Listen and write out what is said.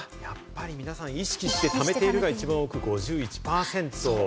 皆さん、意識して貯めているが５１％。